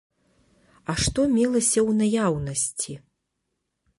А што мелася ў наяўнасці?